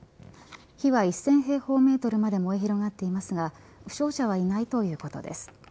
火は１０００平方メートルまで燃え広がっていますが負傷者はいないということです。